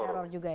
di teror juga ya